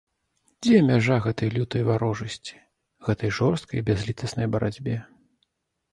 Дзе мяжа гэтай лютай варожасці, гэтай жорсткай бязлітаснай барацьбе?